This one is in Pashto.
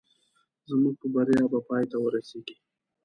زموږ په بریا به پای ته ورسېږي